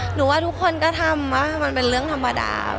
หนูว่าทุกคนก็ทำว่ามันเป็นเรื่องธรรมดา